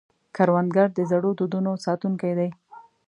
کروندګر د زړو دودونو ساتونکی دی